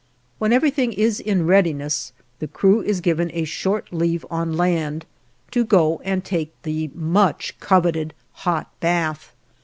When everything is in readiness, the crew is given a short leave on land, to go and take the much coveted hot bath.